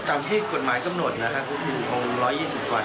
ตามที่กฎหมายกำหนดนะครับคง๑๒๐กว่า